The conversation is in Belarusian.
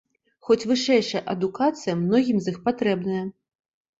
Хоць вышэйшая адукацыя многім з іх патрэбная.